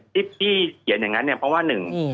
ที่พี่เขียนอย่างนั้นเนี่ยเพราะว่าหนึ่ง